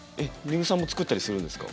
丹生さんも作ったりするんですか？